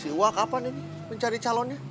si wak kapan ini mencari calonnya